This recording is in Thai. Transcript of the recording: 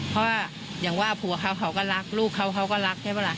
เพราะว่าอย่างว่าผัวเขาก็รักลูกเขาก็รัก